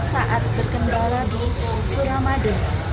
saat berkendara di suramadu